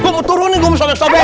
gue mau turun nih gue mau sobek sobek